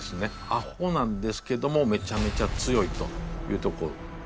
アホなんですけどもめちゃめちゃ強いというとこ。